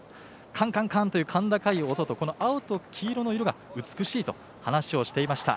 カンカンカン！という甲高い音と青と黄色の色が美しいと話をしていました。